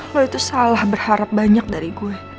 lo itu salah berharap banyak dari gue